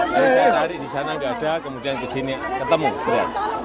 saya tarik di sana enggak ada kemudian ke sini ketemu beras